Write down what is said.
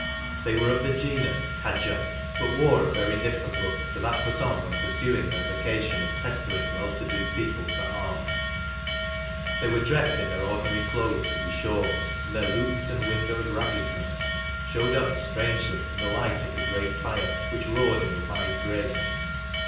They were of the genus " cadger," but wore a very different look to that put on when pursuing their vocation of pestering well to do people for alms. They were dressed in their ordinary clothes to be sure, and their " looped and windowed raggedness " showed up strangely in the light of the great fire which roared in the wide grate.